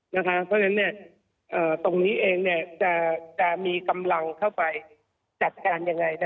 เพราะฉะนั้นตรงนี้เองจะมีกำลังเข้าไปจัดการยังไง